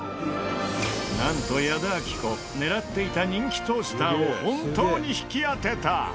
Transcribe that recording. なんと矢田亜希子狙っていた人気トースターを本当に引き当てた！